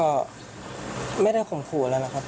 ก็ไม่ได้ข่มขู่อะไรนะครับ